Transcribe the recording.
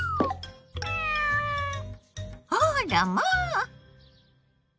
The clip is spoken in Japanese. あらまあ！